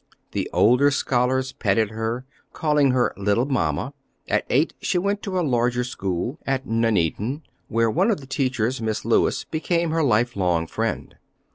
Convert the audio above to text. The older scholars petted her, calling her "little mamma." At eight she went to a larger school, at Nuneaton, where one of the teachers, Miss Lewis, became her life long friend.